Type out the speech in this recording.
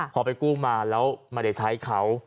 พอไปกู้มาแล้วไม่ได้ใช้เขา